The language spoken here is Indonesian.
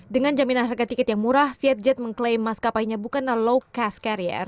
dengan jaminan harga tiket yang murah vietjet mengklaim maskapainya bukanlah low cast carrier